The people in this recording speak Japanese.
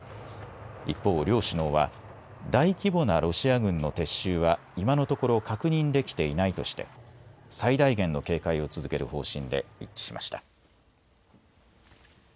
一方、両首脳は大規模なロシア軍の撤収は今のところ確認できていないとして最大限の警戒を続ける方針で一致しました。